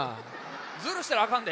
ずるしたらあかんで。